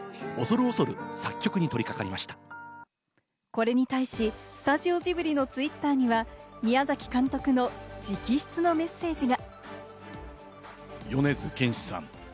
これに対し、スタジオジブリのツイッターには宮崎監督の直筆のメッセージが。